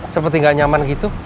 seperti tidak nyaman begitu